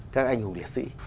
các anh hùng liệt sĩ